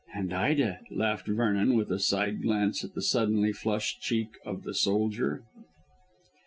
"And Ida," laughed Vernon with a side glance at the suddenly flushed cheek of the soldier.